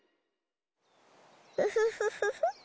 ウフフフフ。